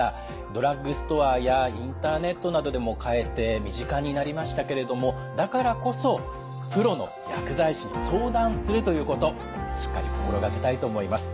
ドラッグストアやインターネットなどでも買えて身近になりましたけれどもだからこそプロの薬剤師に相談するということしっかり心掛けたいと思います。